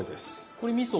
これみそは？